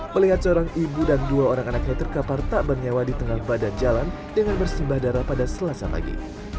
melihat seorang ibu dan dua orang anaknya terkapar tak bernyawa di tengah badan jalan dengan bersimbah darah pada selasa pagi